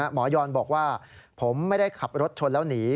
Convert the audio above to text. ยอนบอกว่าผมไม่ได้ขับรถชนแล้วหนี